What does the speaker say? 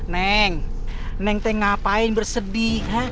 neng neng ngapain bersedih